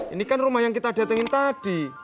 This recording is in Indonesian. ini kan rumah yang kita datangin tadi